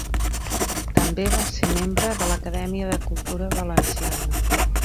També va ser membre de l'Acadèmia de Cultura Valenciana.